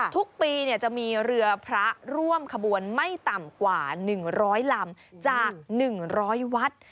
ทุกปีจะมีเรือพระร่วมขบวนไม่ต่ำกว่า๑๐๐ลำจาก๑๐๐วัด